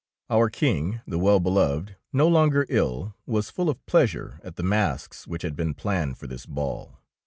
Our King, the Well beloved, no longer ill, was full of pleasure at the masques which had been planned for this ball.